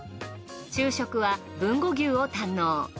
昼食は豊後牛を堪能。